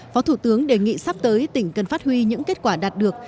phó thủ tướng đề nghị sắp tới tỉnh cần phát huy những kết quả đạt được